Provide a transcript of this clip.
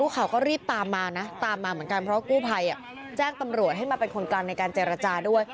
ข่าวก็รีบตามมานะตามมาเหมือนกันเพราะกู้ภัยแจ้งตำรวจให้มาเป็นคนกลางในการเจรจาด้วย